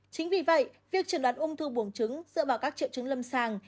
chính vì vậy việc truyền đoán ung thư buồng trứng dựa vào các triệu trứng lâm sàng